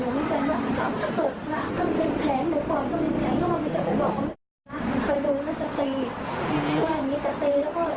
ที่หัวเขาก็ดองมาหลายครั้งแล้วว่ากล้องมาไม่พยาบไรแม่